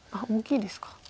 大きいですか。